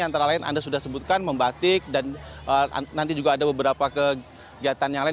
antara lain anda sudah sebutkan membatik dan nanti juga ada beberapa kegiatan yang lain